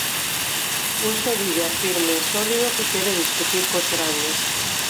Un Sevilla firme e sólido que quere discutir cos grandes.